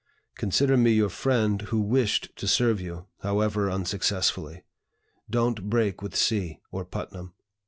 Consider me your friend who wished to serve you, however unsuccessfully. Don't break with C. or Putnam."